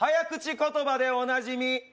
口言葉でおなじみ